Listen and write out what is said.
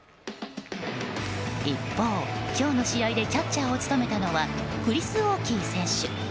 一方、今日の試合でキャッチャーを務めたのはクリス・オーキー選手。